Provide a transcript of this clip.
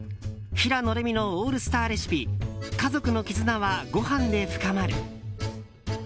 「平野レミのオールスターレシピ家族の絆はごはんで深まる」。